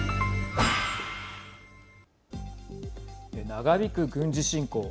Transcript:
長引く軍事侵攻。